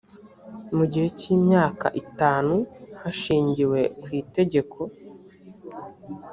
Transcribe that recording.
mu gihe cy imyaka itanu hashingiwe ku itegeko